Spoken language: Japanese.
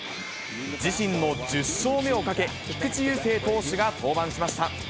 自身の１０勝目をかけ、菊池雄星投手が登板しました。